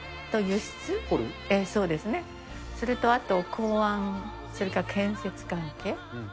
そうですね、それとあと、港湾、それから建設関係。